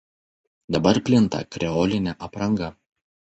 Dabar plinta kreolinė apranga.